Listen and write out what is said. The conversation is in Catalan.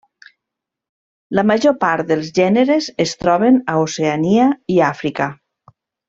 La major part dels gèneres es troben a Oceania i Àfrica.